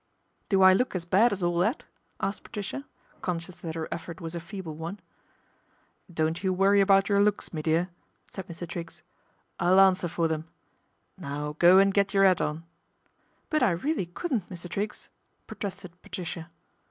" Do I look as bad as all that ?" asked Patricia, conscious that her effort was a feeble one. " Don't you worry about your looks, me dear," said Mr. Triggs, " I'll answer for them. Now go and get your 'at on." " But I really couldn't, Mr. Triggs," protested Patricia.